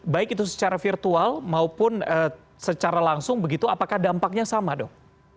baik itu secara virtual maupun secara langsung begitu apakah dampaknya sama dok